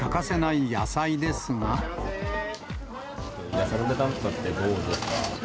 野菜の値段とかってどうですか。